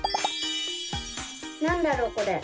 なんだろうこれ？